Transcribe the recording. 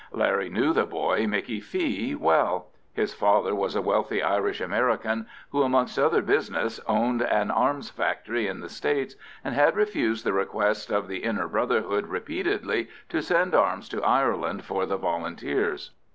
Larry knew the boy, Micky Fee, well. His father was a wealthy Irish American, who, amongst other business, owned an arms factory in the States, and had refused the request of the Inner Brotherhood repeatedly to send arms to Ireland for the Volunteers.